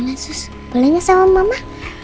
gimana sus boleh gak sama mama